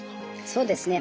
そうですね。